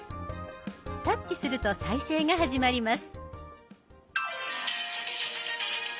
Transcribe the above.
タッチすると再生が始まります。